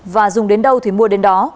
và dùng đến đâu thì mua đến đó